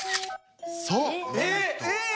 そう。